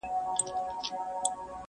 شپه پخه سي چي ویدېږم غزل راسي!